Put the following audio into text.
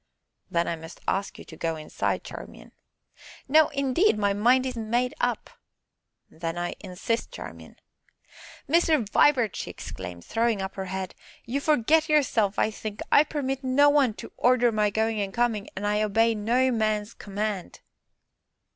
"Then I must ask you to go inside, Charmian." "No, indeed, my mind is made up." "Then I insist, Charmian." "Mr. Vibart!" she exclaimed, throwing up her head, "you forget yourself, I think. I permit no one to order my going and coming, and I obey no man's command."